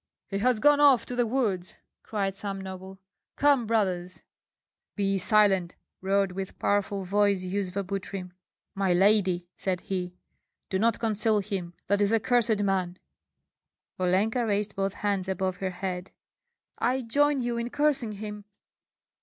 "He has gone off to the woods!" cried some noble. "Come, brothers." "Be silent!" roared with powerful voice Yuzva Butrym. "My lady," said he, "do not conceal him! That is a cursed man!" Olenka raised both hands above her head: "I join you in cursing him!"